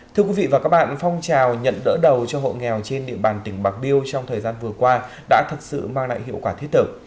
thưa quý vị và các bạn phong trào nhận đỡ đầu cho hộ nghèo trên địa bàn tỉnh bạc liêu trong thời gian vừa qua đã thực sự mang lại hiệu quả thiết thực